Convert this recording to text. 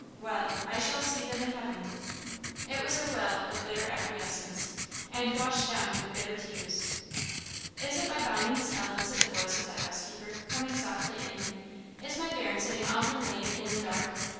Well! I shall see them in heaven!" It was a "well" of bitter acquiescence, and washed down with bitter tears. "Is it my bonny Miss Ellen?" said the voice of the housekeeper, coming softly in; "is my bairn sitting a' her lane i' the dark?